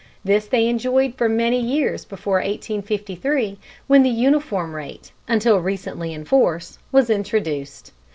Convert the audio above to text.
This they enjoyed for many years before 1853, when the uniform rate, until recently in force, was introduced.